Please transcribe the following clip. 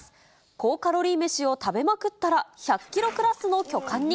高カロリーめしを食べまくったら１００キロクラスの巨漢に。